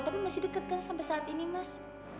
tapi masih dekat kan sampai saat ini mas